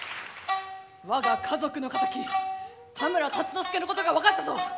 我が家族の敵田村辰之助のことがわかったぞ。